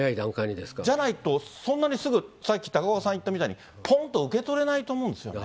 じゃないと、そんなにすぐ、さっき高岡さん言ったみたいに、ぽんと受け取れないと思うんです